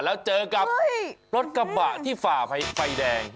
แล้วเจอกับรถกระบะที่ฝ่าไฟแดง